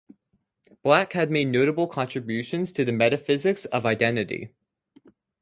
Black had made notable contributions to the metaphysics of identity.